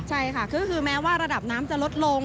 ใช่ค่ะคือแม้ว่าระดับน้ำจะลดลง